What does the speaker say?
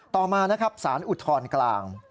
ต่อมาสารอุทธรณกลาง